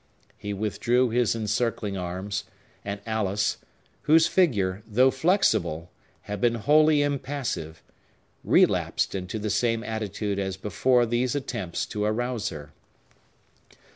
He withdrew his encircling arms, and Alice—whose figure, though flexible, had been wholly impassive—relapsed into the same attitude as before these attempts to arouse her.